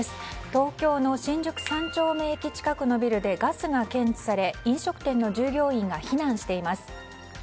東京の新宿三丁目駅近くのビルでガスが検知され飲食店の従業員が避難しています。